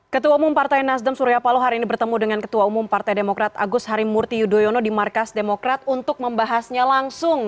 ketua umum partai nasdem surya paloh hari ini bertemu dengan ketua umum partai demokrat agus harimurti yudhoyono di markas demokrat untuk membahasnya langsung